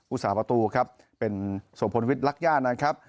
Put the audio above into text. สาประตูครับเป็นโสพลวิทย์ลักย่านะครับ